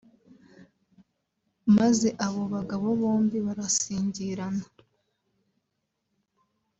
maze abo bagabo bombi barasingirana